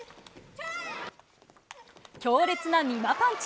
強烈な美誠パンチ。